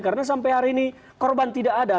karena sampai hari ini korban tidak ada